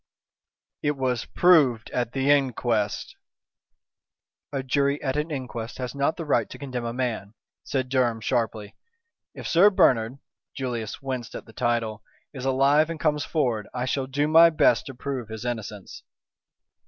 "It was proved at the inquest." "A jury at an inquest has not the right to condemn a man," said Durham, sharply. "If Sir Bernard" Julius winced at the title "is alive and comes forward, I shall do my best to prove his innocence."